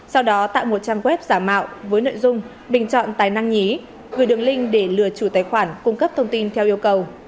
sau đó tạo một trang web giả mạo với nội dung bình chọn tài năng nhí gửi đường link để lừa chủ tài khoản cung cấp thông tin theo yêu cầu